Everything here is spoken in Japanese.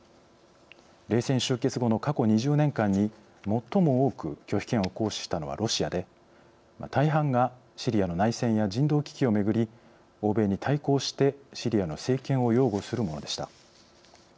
冷戦終結後の過去２０年間に最も多く拒否権を行使したのはロシアで大半がシリアの内戦や人道危機をめぐり欧米に対抗してシリアの政権を擁護するものでした。